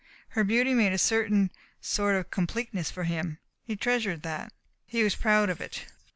Her beauty made a certain sort of completeness for him. He treasured that. He was proud of it.